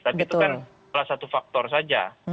tapi itu kan salah satu faktor saja